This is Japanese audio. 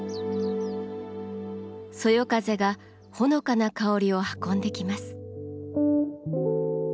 そよ風がほのかな香りを運んできます。